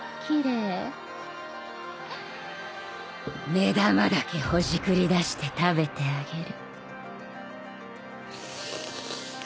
目玉だけほじくり出して食べてあげる。